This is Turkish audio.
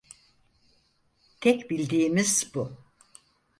Tek bildiğimiz bu.